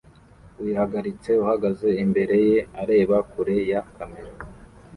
wihagaritse uhagaze imbere ye areba kure ya kamera